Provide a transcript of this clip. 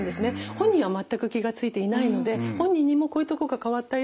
本人は全く気が付いていないので本人にも「こういうとこが変わったよ